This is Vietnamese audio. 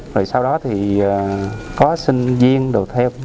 rồi sau đó thì có sinh viên đồ theo